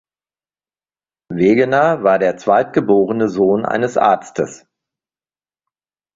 Wegener war der zweitgeborene Sohn eines Arztes.